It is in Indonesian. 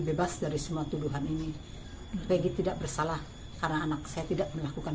bebas dari semua tuduhan ini regi tidak bersalah karena anak saya tidak melakukan